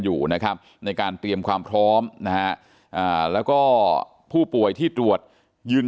อยู่นะครับในการเตรียมความพร้อมนะฮะแล้วก็ผู้ป่วยที่ตรวจยืน